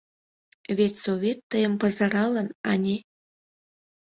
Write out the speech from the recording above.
Вет Совет тыйым пызыралын, ане?